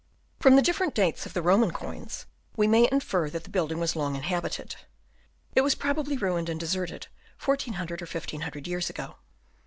From the different dates of the Roman coins we may infer that the building was long inhabited. It was probably ruined and deserted 1400 or 1500 years ago.